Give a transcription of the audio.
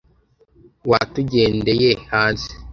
Watugendeye hanze